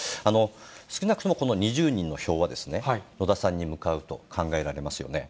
少なくともこの２０人の票は、野田さんに向かうと考えられますよね。